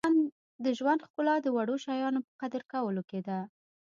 • د ژوند ښکلا د وړو شیانو په قدر کولو کې ده.